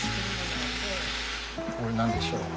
これ何でしょう？